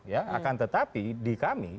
ya akan tetapi di kami